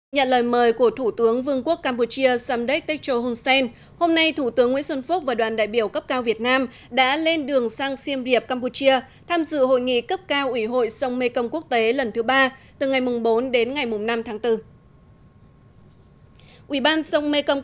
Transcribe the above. nhận lời mời của thủ tướng vương quốc campuchia samdech techo hun sen hôm nay thủ tướng nguyễn xuân phúc và đoàn đại biểu cấp cao việt nam đã lên đường sang siêm riệp campuchia tham dự hội nghị cấp cao ủy hội sông mekong quốc tế lần thứ ba từ ngày bốn đến ngày năm tháng bốn